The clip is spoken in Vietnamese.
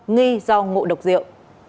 nghi do ngộ độc diệu